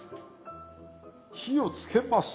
火をつけます。